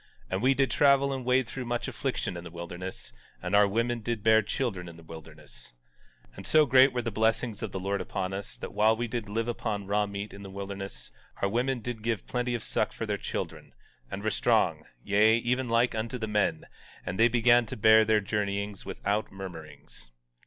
And we did travel and wade through much affliction in the wilderness; and our women did bear children in the wilderness. 17:2 And so great were the blessings of the Lord upon us, that while we did live upon raw meat in the wilderness, our women did give plenty of suck for their children, and were strong, yea, even like unto the men; and they began to bear their journeyings without murmurings.